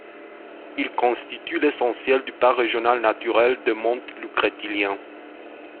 Ils constituent l'essentiel du parc régional naturel des monts Lucrétiliens.